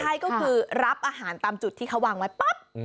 ใช่ก็คือรับอาหารตามจุดที่เขาวางไว้ปั๊บ